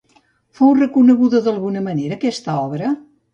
Fou reconeguda d'alguna manera aquesta obra?